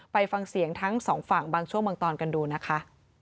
ไปฟังเสียงทั้งสองฝั่งบางช่วงบางตอนกันดูนะคะ